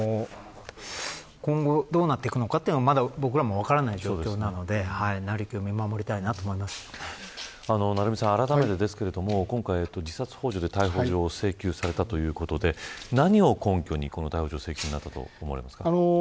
今後どうなっていくのかというのは僕は分からない状況なので成り行きをあらためて今回、自殺ほう助で逮捕状を請求されたということで何を根拠に逮捕状の請求になったと思いますか。